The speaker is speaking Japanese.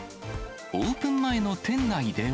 オープン前の店内では。